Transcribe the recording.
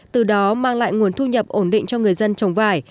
từ đó mang lại nguồn thu nhập ổn định cho người dân trồng vải